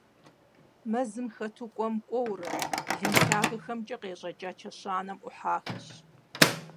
Мэзым хэту кӀуэм-кӀуэурэ, блын лъагэхэмкӀэ къещӀэкӀа чэщанэм Ӏухьахэщ.